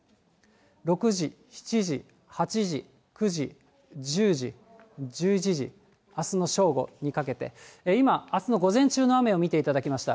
６時、７時、８時、９時、１０時、１１時、あすの正午にかけて、今、あすの午前中の雨を見ていただきました。